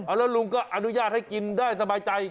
แล้วลุงก็อนุญาตให้กินได้สบายใจ